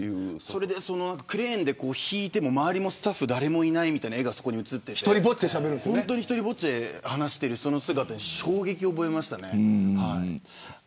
クレーンで引いても周りのスタッフ誰もいないという画が映っていて１人ぼっちで話している姿に衝撃を覚えました。